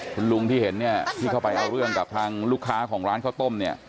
คุณลุงที่เห็นเนี่ยที่เข้าไปเอาเรื่องกับทางลูกค้าของร้านข้าวต้มเนี่ย